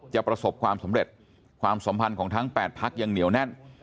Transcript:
ประสบความสำเร็จความสัมพันธ์ของทั้ง๘พักยังเหนียวแน่น